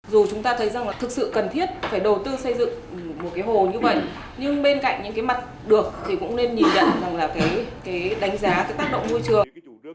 dù chúng ta thấy rằng là thực sự cần thiết phải đầu tư xây dựng một cái hồ như vậy nhưng bên cạnh những cái mặt được thì cũng nên nhìn nhận rằng là cái đánh giá cái tác động môi trường